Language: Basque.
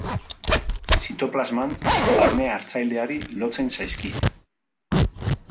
Zitoplasman barne hartzaileari lotzen zaizkie.